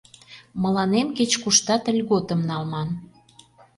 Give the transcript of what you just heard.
Мыланем кеч-куштат льготым налман.